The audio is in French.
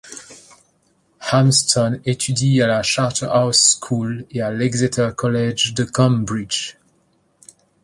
Hampson étudie à la Charterhouse School et à l’Exeter College de Cambridge.